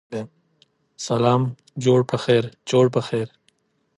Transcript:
گراني چي د ټول كلي ملكه سې_